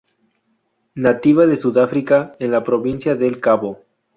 Nativa de Sudáfrica en la Provincia del Cabo.